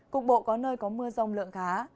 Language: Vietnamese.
cục bộ có nơi có mưa rông lượng khá